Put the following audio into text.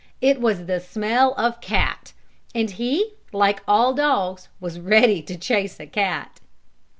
It was the smell of cat, and he, like all dogs, was always ready to chase a cat.